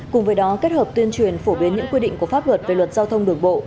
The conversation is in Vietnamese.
cùng với đó kết hợp tuyên truyền phổ biến những quy định của pháp luật về luật giao thông đường bộ